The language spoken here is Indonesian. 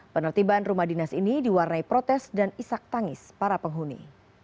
penertiban rumah dinas ini diwarnai protes dan isak tangis para penghuni